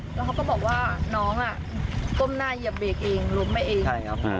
แล้วเขาก็บอกว่าน้องอ่ะก้มหน้าเหยียบเบรกเองล้มไปเองใช่ครับ